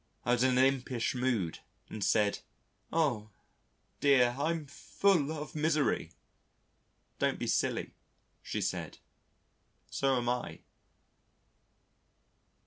... I was in an impish mood and said: "Oh! dear, I'm full of misery." "Don't be silly," she said, "so am I."